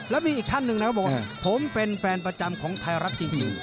แล้วมีอีกท่านหนึ่งนะบอกว่าผมเป็นแฟนประจำของไทยรัฐทีวี